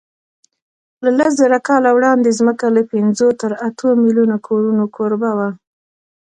له لسزره کاله وړاندې ځمکه له پینځو تر اتو میلیونو کورونو کوربه وه.